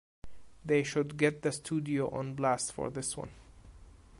They should get the studio on blast for this one.